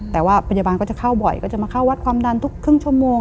แต่ว่าพยาบาลก็จะเข้าบ่อยก็จะมาเข้าวัดความดันทุกครึ่งชั่วโมง